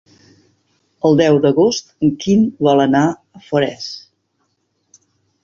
El deu d'agost en Quim vol anar a Forès.